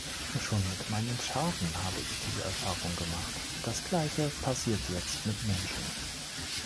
Schon mit meinen Schafen habe ich diese Erfahrung gemacht, das gleiche passiert jetzt mit Menschen.